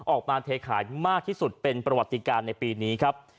ออกมาเทขายมากที่สุดเป็นประวัติการในปีนี้ครับ